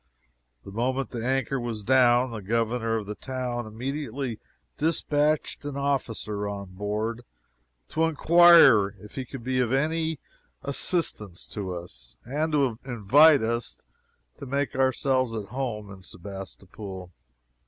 The moment the anchor was down, the Governor of the town immediately dispatched an officer on board to inquire if he could be of any assistance to us, and to invite us to make ourselves at home in Sebastopol!